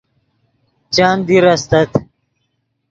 چند دیر استت